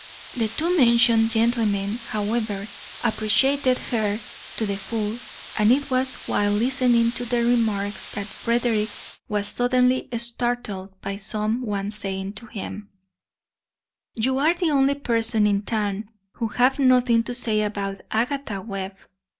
The two mentioned gentlemen, however, appreciated her to the full, and it was while listening to their remarks that Frederick was suddenly startled by some one saying to him: "You are the only person in town who have nothing to say about Agatha Webb.